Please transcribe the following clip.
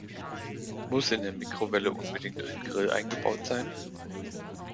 Muss in der Mikrowelle unbedingt ein Grill eingebaut sein?